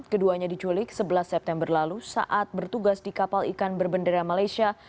keduanya diculik sebelas september lalu saat bertugas di kapal ikan berbendera malaysia